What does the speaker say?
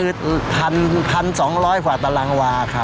คือพันสองร้อยกว่าตลางวาครับ